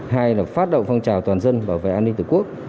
hai là phát động phong trào toàn dân bảo vệ an ninh tổ quốc